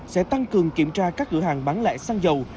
sẽ tăng cường kiểm tra các cửa hàng bán lại xăng dầu